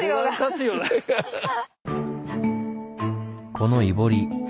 この「いぼり」